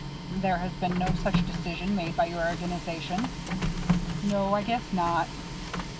"There has been no such decision made by your organization?" "No, I guess not."